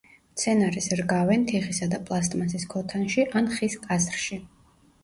მცენარეს რგავენ თიხისა და პლასტმასის ქოთანში ან ხის კასრში.